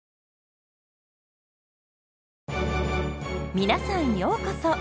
皆さんようこそ！